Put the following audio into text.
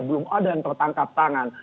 belum ada yang tertangkap tangan